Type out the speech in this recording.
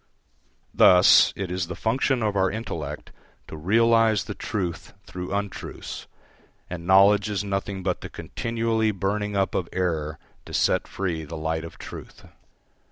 Thus, it is the function of our intellect to realise the truth through untruths, and knowledge is nothing but the continually burning up of error to set free the light of truth.